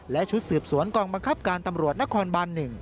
และชุดสืบสวนกองบังคับการตำรวจนครบาน๑